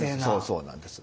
そうなんです。